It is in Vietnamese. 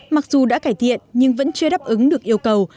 mặc dù đã cải thiện nhưng vẫn chưa đáp ứng được yêu cầu